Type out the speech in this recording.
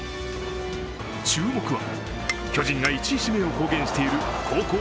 注目は、巨人が１位指名を公言している高校